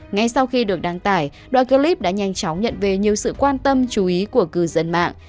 ngay sau khi được đăng tải đoạn clip đã nhanh chóng nhận về nhiều sự quan tâm chú ý của cư dân mạng